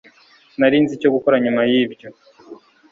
sinari nzi icyo gukora nyuma yibyo